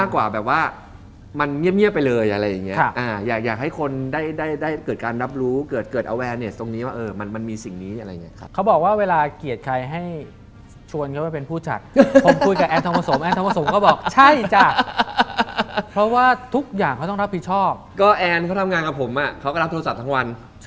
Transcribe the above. การที่ทุกคนจะอยู่กับโซเชียลไปด้วย